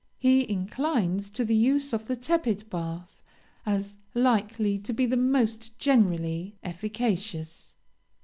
He inclines to the use of the tepid bath, as likely to be the most generally efficacious.